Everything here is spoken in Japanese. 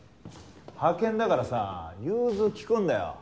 派遣だからさ融通きくんだよ。